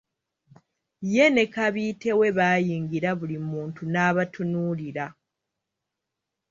Ye ne Kabiite we bayingira buli muntu n'abatunuulira!